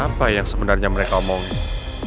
apa yang sebenarnya mereka omongin